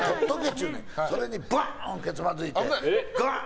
それにバーンけつまずいて。